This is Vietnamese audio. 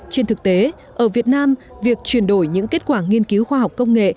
trên thực tế ở việt nam việc chuyển đổi những kết quả nghiên cứu khoa học công nghệ